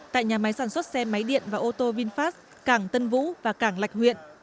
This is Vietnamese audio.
tại nhà máy sản xuất xe máy điện và ô tô vinfast cảng tân vũ và cảng lạch huyện